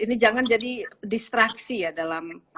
ini jangan jadi distraksi ya dalam